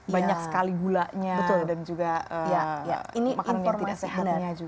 banyak sekali gulanya dan juga makanan yang tidak sehatnya juga